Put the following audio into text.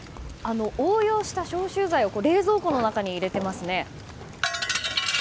応用した消臭剤を冷蔵庫の中に入れていますね。